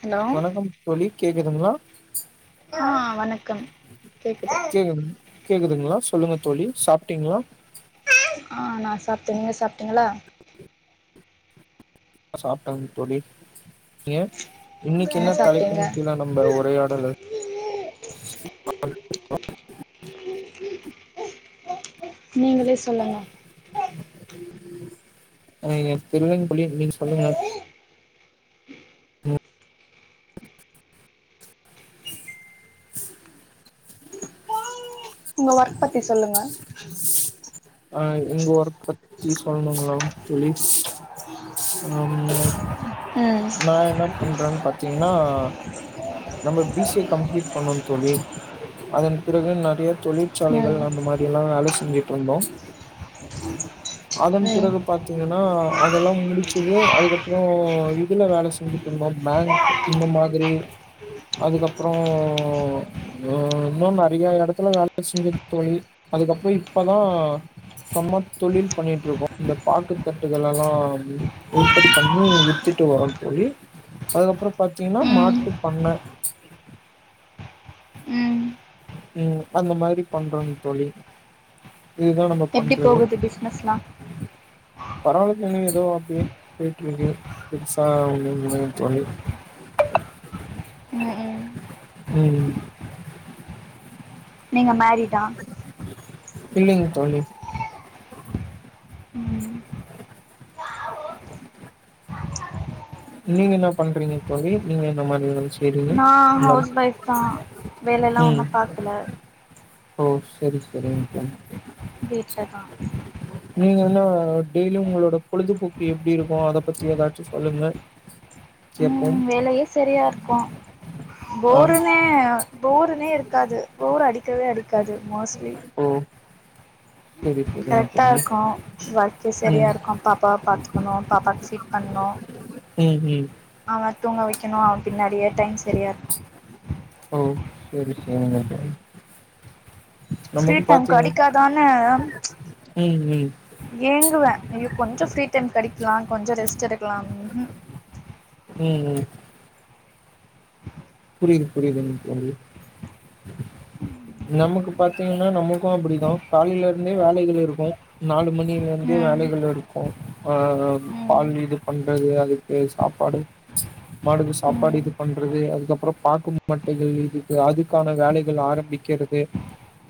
Hello வணக்கம் தோழி கேக்குதுங்ளா அ வணக்கம் கேக்குது கேக்குதுங்ளா சொல்லுங்க தோழி சாப்ட்டீங்ளா அ நா சாப்ட்ட நீங்க சாப்ட்டீங்களா சாப்ட்டங் தோழி ஏன் என்ன இன்னிக்கென்ன சாப்ட்டீங்க தலைப்பின் கீழ நம்ப உரையாடலு [inaudible] நீங்களே சொல்லுங்க அ இல்லைங் தோழி நீங் சொல்லுங்க உங்க ஒர்க் பத்தி சொல்லுங்க அ எங்க ஒர்க் பத்தி சொல்ணுங்ளா தோழி ம் ம் நா என்ன பண்றன் பாத்தீங்ன்னா நம்ப பி சி ஏ கம்ப்ளீட் பண்ணோ தோழி அதன் பிறகு நெறைய தொழிற்சாலைகள் ம் அந்த மாரில்லா வேல செஞ்சிட்ருந்தோ அதன் ம் பிறகு பாத்தீங்கன்னா அதெல்லா முடிச்சது அதுக்கப்றோ இதுல வேல செஞ்சுட்ருந்தோ பேங்க் இந்த மாதிரி அதுக்கப்றோ னு இன்னு நெறைய எடத்துல வேல செஞ்சிருக் தோழி அதுக்கப்பற இப்பதா சொந்தமா தொழில் பண்ணிட்ருக்கோ இந்த பாக்குத் தட்டுகளல்லா உற்பத்தி பண்ணி வித்துட்டு வர போயி அதுக்கப்புறோ பாத்தீங்கன்னா ம் மாட்டு பண்ண ம் ம் அந்த மாரி பண்றாங்க தோழி இதுதா நம்ப எப்டி பண்றது போகுது பிஸ்னஸ்லா பரவால்ல ஃப்ரெண்டுங்க எதோ அப்டியே பேயிட்ருக்கு பெருசா ஒன்னுமில்லங்க தோழி ம் ஹும் ம் நீங்க மேரீடா இல்லிங் தோழி ம் நீங்க என்ன பண்றீங்க தோழி நீங்க என்ன மாரி வேல செய்றீங்க நா நம் ஹவுஸ் ஒய்ஃப்தா வேலைல்லா ம் ஒன்னும் பாக்ல ஓ செரி செரிங் தோழி வீட்லதா நீங்க என்ன டெய்லியு ஒங்களோட பொழுதுபோக்கு எப்டிருக்கு அத பத்தி ஏதாச்சு சொல்லுங்க கேப்போம் ம் வேலையே செரியாருக்கு ஆ போருனே போருனே இருக்காது போர் அடிக்கவே அடிக்காது மோஸ்ட்லி ஓ சரி சரிங்க தோழி கரெக்டாருக்கு ஒர்க்கே ம் சரியாகருக்கு பாப்பாவ பாத்துக்கணு பாப்பாக்கு ஃபீட் பண்ணணு ம் ம் அவ தூங்க வைக்கணு அவ பின்னாடியே டைம் சரியாருக்கு ஓ சேரி செரிக்க தோழி ஃப்ரீ நமக்கு டைம் பாத்தீங்க கெடைக்காதான்னு ம் ம் ஏங்குவே ஐயோ கொஞ்சோ ஃப்ரீ டைம் கடைக்கலா கொஞ்சே ரெஸ்ட் எடுக்கலாம் ம் ஹும் ம் ம் புரியிது புரியிதுங் தோழி நமக்கு பாத்தீங்கன்னா நமக்கு அப்படிதா காலையிலருந்தே வேலைகள் இருக்கு நாலு மணிலேருந்தே ம் வேலைகள் இருக்கு ஆ ம் பால் இது பண்றது அதுக்கு சாப்பாடு மாடுக்கு சாப்பாடு ம் இது பண்றது அதுக்கப் புறோ பாக்கு மட்டைகள் இருக்கு அதுக்கான வேலைகள் ஆரம்பிக்கிறது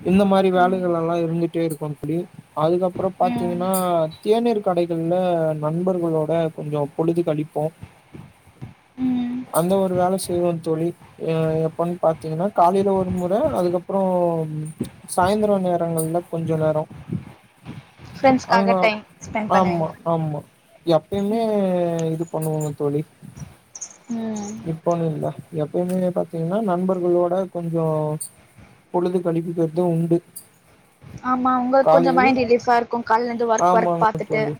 இந்த மாரி ம் வேலைகளெல்லா இருந்துட்டே இருக்கு தோழி அதுக்கப்புறோ ம் பாத்தீங்கன்னா தேநீர் கடைகள்ல நண்பர்களோட கொஞ்சோ பொழுது கழிப்போம் ம் அந்த ஒரு வேல செய்வோ தோழி ஆ எப்பன்னு பாத்தீங்கன்னா காலையில ஒரு முற அதுக்கப்புறோ சாயந்தரோ நேரங்கள்ல கொஞ்சோ நேரோ ஃப்ரெண்ட்ஸ்க்காக ஆமா டைம் ஸ்பெண்ட் ஆமா பண்ணுவீங்க ஆமா எப்பயுமே ம் இது பண்ணுவோங்க தோழி ம் இப்போன்னு இல்ல எப்பயுமே பாத்தீங்கன்னா நண்பர்களோட கொஞ்சோ பொழுது கழிப்பிக்கிறது உண்டு ஆமா உங்களுக்கு கொஞ்சே காலையில் மைண்ட் ரிலீஃபாருக்கு கால்லேந்து ஒர்க் ஒர்க் ஆமாங்க பாத்துட்டு தோழி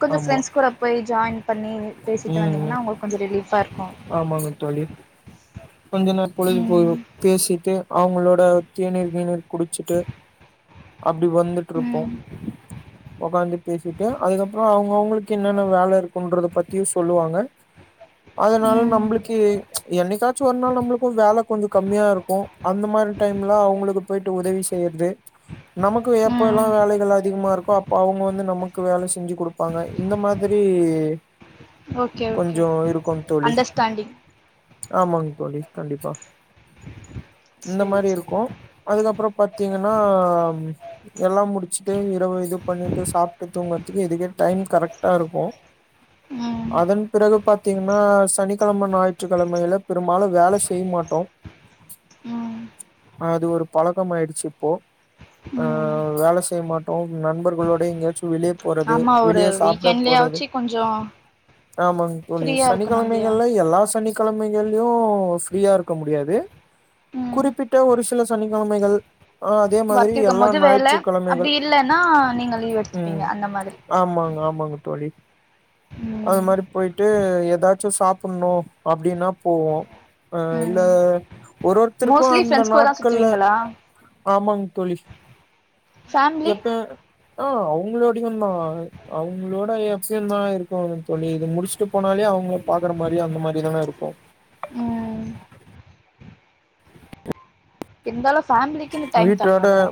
கொஞ்சோ ஆமா ஃப்ரெண்ட்ஸ் கூட போய் ஜாயின் பண்ணி பேசிட்டு ம் வந்தீங்கன்னா உங்களுக்கு கொஞ்சோ ரிலீஃபாருக்கு ஆமாங்க தோழி கொஞ்ச நேர் பொழுதுபோய் ம் பேசிட்டு அவங்களோட தேநீர் கீநீர் குடிச்சுட்டு அப்டி வந்துட்டுருப்போ ம் ஒக்காந்து பேசிட்டு அதுக்கப்றோ அவங்க அவங்களுக்கு என்னென்ன வேல இருக்குன்றத பத்தியு சொல்லுவாங்க அதனால ம் நம்மளுக்கு என்னைக்கா ச்சு ஒரு நாள் நம்மளுக்கு வேலை கொஞ்ச கம்மியா இருக்கூ அந்த மாரி டைம்ல அவங்களுக்கு போய்ட்டு உதவி செய்யறது நமக்கு எப்ப எல்லா ம் வேலைகள் அதிகமா இருக்கு அப்ப அவங்க வந்து நமக்கு வேல செஞ்சு குடுப் பாங்க இந்த மாரி ஓகே ஓகே கொஞ்சோ இருக்கூ தோழி அண்டர்ஸ்டாண்டிங் ஆமாங் தோழி கண்டிப்பா இந்த செரி மாரி செரி இருக்கூ அதுக்கப்றோ பாத்தீங்கன்னா எல்லா முடிச்சிட்டு இரவு இது பண்ணிட்டு சாப்ட்டு தூங்கறதுக்கு இதுக்கே டைம் கரெக்டா இருக்கூ [inaudible] அதன் பிறகு பாத்தீங்கன்னா சனி கெழம ஞாயிற்றுக்கெழமையில பெரும்பாலு வேல செய் மாட்டோ ம் அது ஒரு பழக்கமாயிடுச்சு இப்போ ஆ ம் வேல செய்ய மாட்டோ நண்பர்களோட எங்கயாச்சு வெளிய போறது ஆமா ஒரு வெளிய சாப்ட போறது வீக்கெண்ட்லயாச்சு கொஞ்சோ ஆமாங் தோழி ஃப்ரீயா இருக்கணு இல்லையா சனிக்கெழமைகள்ல எல்லா சனிக்கெழமை கள்லயு ஃப்ரீயா இருக்க முடியாது ம் குறிப்பிட்ட ஒரு சில சனிக்கெழமைகள் ஆ அதே மாதிரி ஒர்க் இருக்கும் எல்லா போது வேல அப்டி நாயிற்றுக்கெழமைகள் இல்லன்னா நீங்க லீவ் எடுத்துப்பீங்க ம் அந்த மாதிரி ஆமாங்க ஆமாங்க தோழி அது ம் மாரி போய்ட்டு எதாச்சு சாப்புட்ணு அப்டின்னா போவோ அ இல்ல ம் ஒரு ஒருத்தருக்கூ மோஸ்ட்லி அந்த ஃப்ரெண்ட்ஸ் கூட தா நாட்கள்ல சுத்துவீங்களா ஆமாங் தோழி ஃபேமிலி எப்ப ஆ அவங்களோடயுந்தா அவங்களோட யொக்ஸிம் தா இருக்கூ அது தொழி இது முடிச் சு போனாலே அவங்க பாக்ற மாரி அந்த மாரிதான இருக்கூ ம் இருந்தாலு ஃபேமிலிக்கின்னு டைம் வீட்டோட தர்ணுல்ல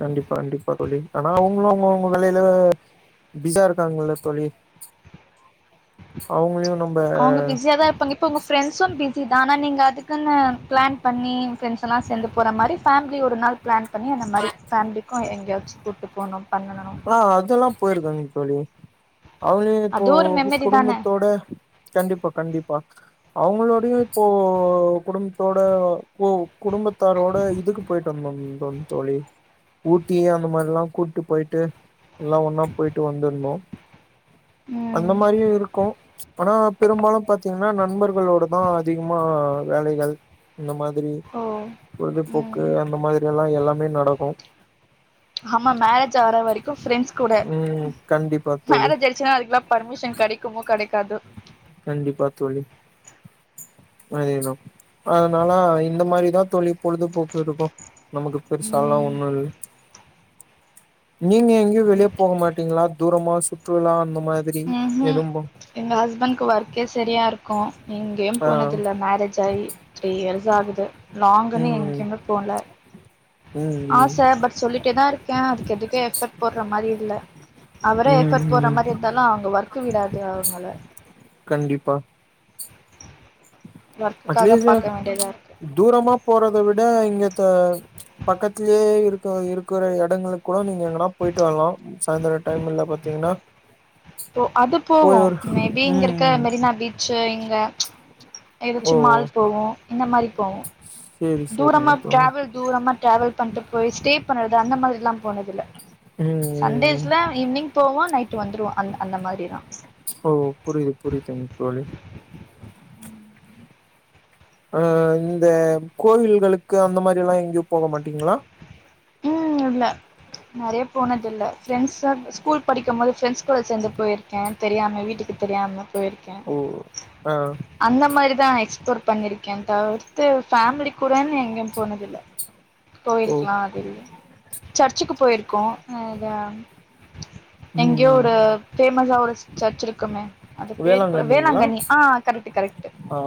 கண்டிப்பா அண்டிப்பா தோழி ஆனா அவங்களு அவங்கவுங்க வேலையில பிசியா இருக்காங்கல தோழி அவங்களையு நம் அவங்க பிஸியா தா இருப்பாங்க இப்போ உங்க ஃப்ரெண்ட்ஸும் பிஸி தா ஆனா நீங்க அதுக்குன்னு ப்ளான் பண்ணி ஃப்ரெண்ஸெல்லா சேந்து போற மாரி ஃபேமிலி ஒரு நாள் ப்ளான் பண்ணி அந்த மாரி ஃபேமிலிக்கூ எங்கயாச்சு கூட்டு போணு பண்ணுனணு ஆ அதெல்லா போயிருக்காங்க தோழி அவங்களு இப்போ அது ஒரு கிஸ் மெமரி தான குடும்பத்தோட கண்டிப்பா கண்டிப்பா அவங்களோடையு இப்போ குடும்பத்தோட போ குடும்பத்தாரோட இதுக்குப் போயிட்டு வந்தங்தம் தோழி ஊட்டி அந்த மார்லா கூட்டி போய்ட்டு எல்லா ஒன்னா போயிட்டு வந்துருந்தோ அந்த ம் மாரியு இருக்கூ ஆனா பெரும்பாலு பாத்தீங்கன்னா நண்பர்களோட தா அதிகமா வேலைகள் இந்த மாதிரி ஓ பொழுதுபோக்கு ம் அந்த மாதிரி எல்லா எல்லாமே நடக்கூ ஆமா மேரேஜ் ஆற வரைக்கூ ஃப்ரெண்ட்ஸ் கூட ம் கண்டிப்பா தோழி மேரேஜ் ஆயிரு ச்சுனா அதுக்கெல்லா பர்மிஷன் கடைக்குமோ கடைக்காதோ கண்டிப்பா தோழி அய்னோ அதுனால இந்த மாரிதா தோழி பொழுதுபோக்கு இருக்கூ நமக்கு பெருசா எல்லா ம் ஒண்ணு இல் நீங்க எங் க வெளிய ஓகே போக மாட்டீங்களா தூரமா சுற்றுலா அந்த மாதிரி ம்ஹூம் எறும்பும் எங்க ஹஸ்பண்க்கு ஒர்க்கே சரியா இருக்கொ இங்கயு ஆ போனது இல்ல மேரேஜ் ஆயி த்ரீ இயர்ஸ் ஆகுது லாங்குன்னு ம் ம் எங்கயமே போல ம் ஆச பட் சொல்லிட்டேதா இருக்கே அதுக்கு எதுக்கு எஃபெக்ட் போடுற மாரி இல்ல அவர ம் ம் எஃபர்ட் போடுற ம் மாரி இருந்தாலு அவங்க ஒர்க் விடாது நள கண்டிப்பா ஒர்க்குக்காக அட்லீஸ்ட் பாக்க வேண்டியதா இருக்கு தூரமா போறத விட இங்கத பக்கத்திலயே இருக்க இருக்கிற இடங்களுக்கு கூட நீங்க எங்கனா போயிட்டு வரலா சாயந்தரம் டைம் எல்லா பாத்தீங்கன்னா போ அது போவோ போய் ஒரு மேபி இங்க ம் இருக்க ம் மெரினா பீச்சு இங்க ஓ ஏதச்சு மால் போவோ இந்த மாரி போவோ சேரி தூரமா சேரிங்க தோழி டிராவல் தூரமா ட்ராவல் பண்ணிட்டு போய் ஸ்டே பண்ணறது அந்த மாரில்லா போனதில்ல ம் ம் ம் சண்டேஸ்ல ஈவி்னிங் போவோ நைட்டு வந்துருவோ அ அந்த மாரிதா ஓ புரியுது புரியுதுங் தோழி அ இந்த கோவில்களுக்கு அந்த மாரி எல்லா எங்கயு போக மாட்டீங்களா ம் இல்ல நெறைய போனது இல்ல ஃப்ரெண்ட்ஸ் சா ஸ்கூல் படிக்குபோது ஃப்ரெண்டஸ் கூட சேர்ந்து போயிருக்கே தெரியாம வீட்டுக்கு தெரியாம போயிருக்க ஓ ஆ அந்த மாரி தா எக்ஸ்ப்ளோர் பண்ணியிருக்கே தவிர்த்து ஃபேமிலி கூடன்னு எங்கயு போனது இல்ல ஓ போயிருக்கலா அது இல்ல சர்ச்சுக்கு போயிருக்கோ ம் அதா ம் எங்கயோ ம் ஒரு பேஃமஸா ஒரு சர்ச் இருக்குமே அது பேரு கூட வேளாங்கண்ணிங்களா வேளாங்கண்ணி ஆ கரெக்ட்டு கரெக்ட்டு ஆ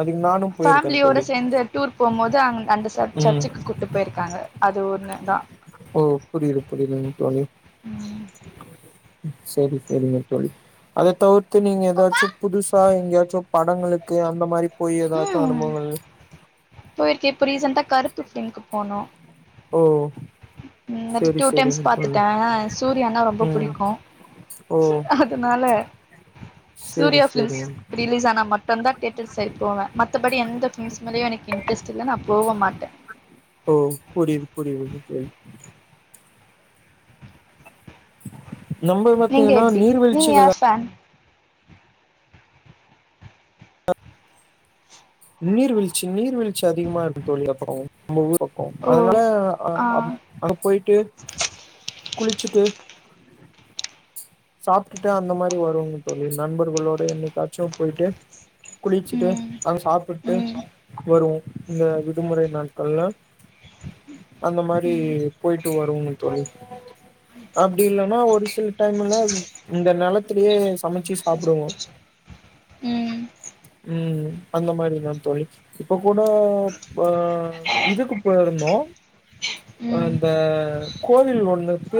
அதுக்கு நானு போயிருக்கே ஃபேமிலியோட தோழி சேர்ந்து டூர் போம்போது அங்க அந்த ச ம் சர்ச்சுக்கு கூட்டு போயிருக்காங்க அது ஒண்ணு தா ஓ புரியுது புரியுதுங் தோழி ம் செரி செரிங்க தோழி அத தவிர்த்து நீங்க ஏதாச்சு புதுசா எங்கேயாச்சு படங்களுக்கு அந்த மாரி போயி ஏதாச்சு அனுபங்கள் போயிருக்கு இப்ப ரிசன்டா கருப்பு பிலிம் க்கு போனோ ஓ ம் அது செரி டூ டைம்ஸ் செரிங்க தோழி பாத்துட்ட ஆ சூர்யானா ரொம்ப ம் புடிக்கு ஓ அ துனால செரி சூர்யா பிலிம்ஸ் செரிங்க ரிலீஸ் ஆன மட் டுந்த நா தேட்டர் சைடு போவ மத்தபடி எந்த ஃபிலிம்ஸ்லேயு எனக்கு இன்டரஸ்ட் இல்ல நான் போகவு மாட்ட ஓ புரியுது புரியுதுங்க தோழி நம்ம பாத்தீங்கன்னா நீர்வீழ்ச்சிகள சாங் நீர்வீழ்ச்சி நீர் வீழ்ச்சி அதிகமா இருக்கு தோழி அப்றம் நம்ம ஊர் பக்கம் ஓ அதுனால ஆ அங்க போயிட்டு குளிச்சிட்டு சாப்டுட்டு அந்த மாரி வருவோங்க தோழி நண்பர்களோட என்னைக்காச்சும் போய்ட்டு குளிச்சிட்டு ம் நாங்க சாப்புட்டு ம் வருவோ இந்த விடுமுறை நாட்கள்ல அந்த மாரி ம் போய்டு வருவோங்க தோழி அப்டி இல்லனா ஒரு சில டைம்ல இந்த நெலத்திலயே சமைச்சு சாப்பிடுவோ ம் ம் அந்த மாரி இதா தோழி இப்ப கூட ஆ இதுக்கு போயிருந்தோ ஆ ம் அந்த கோவில் ஒண்ணு பே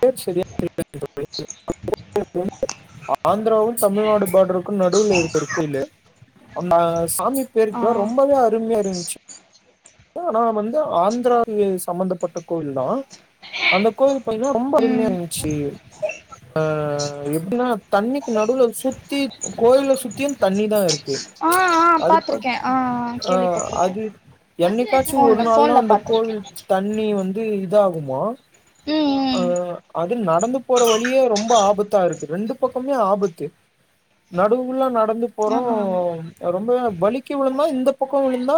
பேர் செரியா தெர்ல தோழி கோவில் வந்து ஆந்திராவு தமிழ்நாடு பார்டருக்கு நடுவுல இருக்கு ஒரு கோயிலு அ சாமி ஆ பேருக்குலா ரொம்பவே அருமையா இருந்துச்சு ஆனா வந்து ஆந்திராவ சம்பந்தப்பட்ட கோயில் தா அந்த கோவில் பாத்தீங்னா ரொம்ப ம் அருமையாருந்துச்சு ஆ எப்டினா தண்ணிக்கு நடுவுல சுத்தி கோயில சுத்தியு தண்ணி தா இருக்கு ஆ ஆ அது பத் பாத்திருக்கே ஆ ஆ கேள்விப்பட்டிருக்கே அது என்னக்காச்சு ஒரு ஃபோன்ல நாள் தா ஃபோன்ல அந்த பாத்திருக்கே கோவில் தண்ணி வந்து இதாகுமா ம் ம் ம் அது நடந்து போற வழியே ரொம்ப ஆபத்தாருக்கு ரெண்டு பக்கமே ஆபத்து நடுவுல நடந்து போறோ ஆமா ஆமா ரொம்ப வலிக்கி உழுவுமாரி இந்த பக்கோ உழுந்தா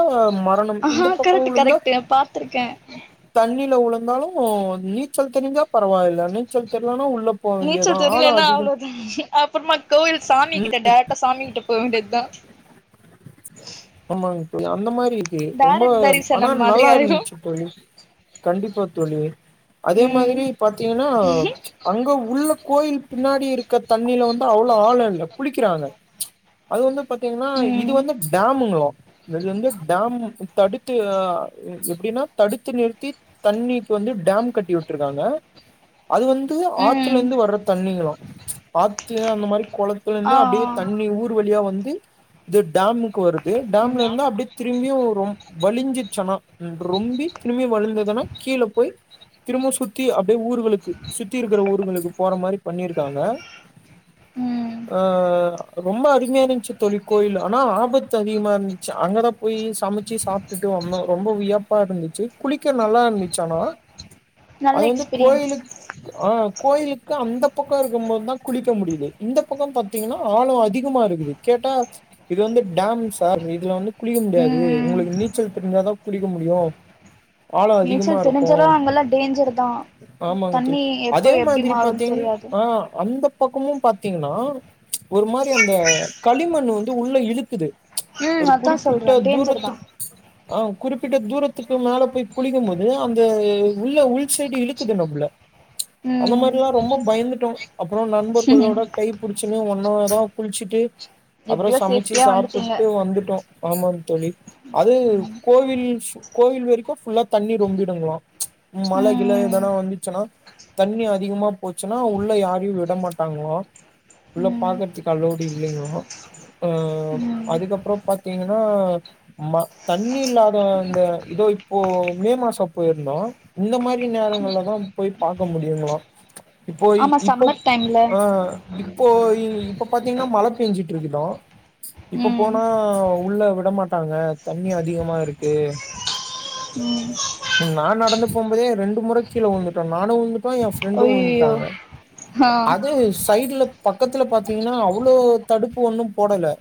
மரணம் ஆ இந்த பக்கம் கரெட்டு கரெக்ட்டு நா பாத்துருக்கே தண்ணியில உழுந்தாலு நீச்சல் தெரிஞ்சா பரவாயில்ல நீச்சல் தெர்லனா உள்ள போ நீச்சல் வேண்டியதுதான். ஆழம் தெரியிலனா அதிகம். அவ்ளோதா அப்புறமா கோவில் சாமி கிட்ட டேரக்டா சாமி கிட்ட போக வேண்டியதா ஆமாங்க தோழி அந்த மாரி இருக்கு ரொம்ப டேரக்ட் ஆனா தரிசனம் மாதிரி நல்லா ஆயிரு இருந்துச்சு தோழி கண்டிப்பா தோழி அதே ம் மாரி பாத்தீங்கன்னா அங்க உள்ள கோயில் பின்னாடி இருக்க தண்ணில வந்து அவ்ளோ ஆழோல்ல குளிக்கிறாங்க அது வந்து பாத்தீங்கன்னா இது ம் வந்து டேம் முங்களோ இது வந்து டேம் தடுத்து அ எப்டின்னா தடுத்து நிறுத்தி தண்ணிக்கு வந்து டேம் கட்டி உட்டுருக்காங்க அது வந்து ம் ஆத்துலருந்து வர்ற தண்ணிங்ளா ஆத்து அந்த மாரி கொள ஆ துலருந்து அப்டியே ஆ தண்ணி ஊர் வழியா வந்து இது டேமுக்கு வருது து ம் டேம்லருந்து அப்டி திரும்பியு ரொம் வழிஞ்சிருச்சு ஆனா ரொம்பி திரும்பி வழிந்ததுனா கீழ போய் திரும்பவு சுத்தி அப்டியே ஊர்களுக்கு சுத்தி இருக்குற ஊர்களுக்கு போற மாரி பண்ணியிருக்காக ம் ஆ ரொம்ப அருமையா இருந்துச்சு தோழி கோயில் ஆனா ஆபத் ச்ச அதிகமாருந்துச்சு அங்கதா போய் சமைச்சு சாப்ட்டுட்டு வந்தோ ரொம்ப வியப்பா இருந்துச்சு குளிக்க நல்லாருந்துச்சு ஆனா நல்ல அது வந்து எக்ஸ்பீரியன்ஸ் கோயிலுக் ஆ கோயிலுக்கு அந்த பக்கோ இருக்கும்போதுதா குளிக்க முடியுது இந்த பக்கோ பாத்தீங்கன்னா ஆழௌ அதிகமாருக்குது கேட்டா இது வந்து டேம் சார் இதுல வந்து குளிக்க முடியாது ம் உங்களுக்கு நீச்சல் தெரிஞ்சாதா குளிக்க முடியு ஆழோ அதிகமா நீச்சல் தெரிஞ்சாலு இருக்கு அங்கல்லா டேஞ்சர்தா ஆமாங்க தோழி அதே மாதிரி பாத்தீங்க தெரியாது ஆ அந்த பக்கமு பாத்தீங்கன்னா ஒரு மாரி அந்த களிமண் வந்து உள்ள இழுக்குது ம் ஒரு அதா குறிப்பிட்ட சொல்றே டேஞ்சர் தா தூரத்துக் ஆ குறிப்பிட்ட தூரத்துக்கு மேல போய் குளிக்கு போது அந்த உள்ள உள் சைடு இழுக்குது நம்பல அந்த மாரில்லா ம் ரொம்ப பயந்துட்டோ அப்றோ நண்பர்களோட கை புடிச்சுன்னு ஒண்ணாவேதோ குளிச்சுட்டு எப்டியோ சேஃப் தி சாப்புட்டு வந்துட்டோ ஆமான் தோழி அது கோவில்ஸு கோவில் வரைக்கு ஃபுல்லா தண்ணி ரொம்பிடுங்களா மழ கிழ ம் எதானா வந்துச்சுன்னா தண்ணி அதிகமா போச்சுன்னா உள்ள யாரயு விடமாட்டாங்களா உள்ள ம் பாக்கறதுக்கு அளோடு இல்லியா அ ம் அதுக்கப்றோ பாத்தீங்கனா ம தண்ணி இல்லாத இந்த இதோ இப்போ மே மாசோ போயிருந்தோ இந்த மாரி நேரங்கள்ல தா போய் பாக்க முடியுங்களா இப்போ ஆமா இப்பப் சம்மர் டைம்ல ஆ இப்போ இ இப்ப பாத்தீங்னா மழ பெஞ்சிட்ருக்குதா இப்ப ம் போனா உள்ள விடமாட்டாங்க தண்ணி அதிகமா இருக்கு ம் எங் நா நடந்து போம் போதே ரெண்டு மொற கீ உழுந்துட்டோ நானு உழுந்துட்டோ ஏ ஃப்ரெண்டூ அய்யய்யோ உழுந்துட்டாங்க ஆ அது சைடுல பக்கத்துல பாத்தீங்கனா அவ்ளோ தடுப்பு ஒண்ணு போடல